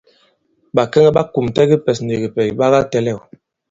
Bàkɛŋɛ ɓa kùmtɛ kipɛs ni kìpɛ̀s ɓa katɛ̄lɛ̂w.